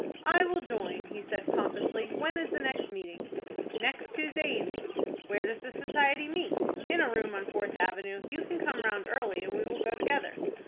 "I will join," he said, pompously. "When is the next meeting?" "Next Tuesday evening." "Where does the society meet?" "In a room on Fourth Avenue. You can come round early, and we will go together."